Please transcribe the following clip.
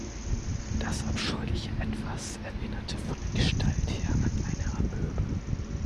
Das abscheuliche Etwas erinnerte von der Gestalt her an eine Amöbe.